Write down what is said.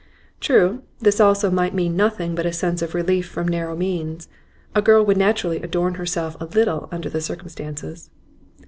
True, this also might mean nothing but a sense of relief from narrow means; a girl would naturally adorn herself a little under the circumstances.